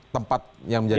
tempat yang menjadi